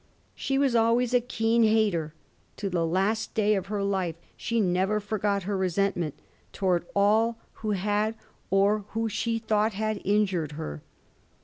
She was always a keen hater ; to the last day of her life she never forgot her resentment towards all who had, or who she thought had, injured her.